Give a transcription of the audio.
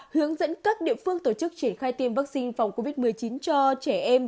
hướng dẫn các địa phương tổ chức triển khai tiêm vaccine phòng covid một mươi chín cho trẻ em